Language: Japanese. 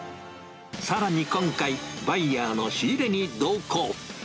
さらに、今回、バイヤーの仕入れに同行。